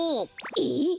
えっ！？